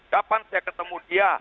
kapan saya ketemu dia